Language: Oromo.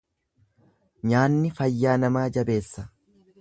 Nyaanni fayyaa nama jabeessa.